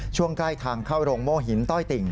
ช่วงใกล้ทางเข้าโรงโม่หินต้อยติ่ง